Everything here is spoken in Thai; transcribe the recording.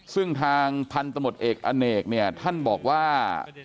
ซึ่งทางพันธมตเอกอเนกเนี่ยท่านบอกว่า